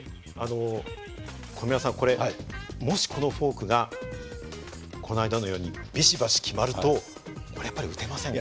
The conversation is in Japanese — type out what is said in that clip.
小宮山さんこれもしこのフォークがこの間のようにびしばし決まるとこれやっぱり打てませんか？